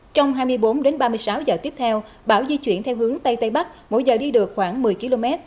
trong hai mươi bốn đến ba mươi sáu giờ tiếp theo bão di chuyển theo hướng tây tây bắc mỗi giờ đi được khoảng một mươi km